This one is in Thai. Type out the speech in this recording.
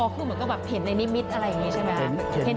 อ๋อเหมือนกับเห็นในนิตอะไรอย่างนี้ใช่ไหม